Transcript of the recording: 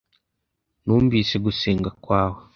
numvise gusenga kwawe